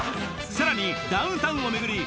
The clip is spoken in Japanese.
さらにダウンタウンを巡り